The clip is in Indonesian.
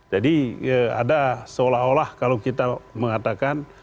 jadi ada seolah olah kalau kita mengatakan